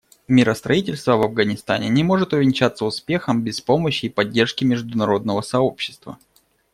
Миростроительство в Афганистане не может увенчаться успехом без помощи и поддержки международного сообщества.